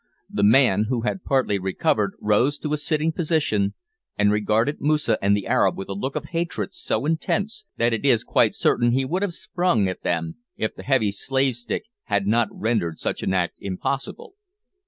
The man who had partly recovered rose to a sitting position, and regarded Moosa and the Arab with a look of hatred so intense that it is quite certain he would have sprung at them, if the heavy slave stick had not rendered such an act impossible.